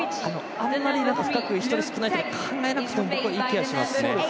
あんまり深く１人少ないとか考えなくても僕は、いい気がしますね。